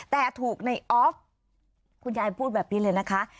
แต่ถูกในออฟคุณยายพูดแบบนี้เลยนะคะ